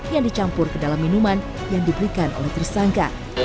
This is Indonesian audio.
yang dicampur ke dalam minuman yang diberikan oleh tersangka